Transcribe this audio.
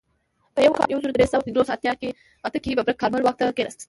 په کال یو زر درې سوه پنځوس اته کې ببرک کارمل واک ته کښېناست.